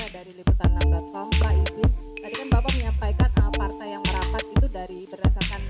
dari lintas apa itu tadi bapak menyampaikan apartai yang merapat itu dari berdasarkan